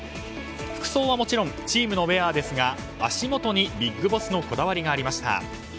服装はもちろんチームのウェアですが足元にビッグボスのこだわりがありました。